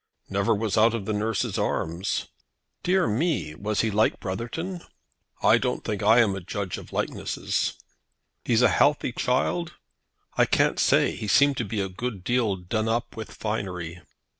"Never was out of the nurse's arms." "Dear me! Was he like Brotherton?" "I don't think I am a judge of likenesses." "He's a healthy child?" "I can't say. He seemed to be a good deal done up with finery."